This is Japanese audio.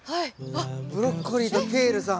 ブロッコリーとケールさん。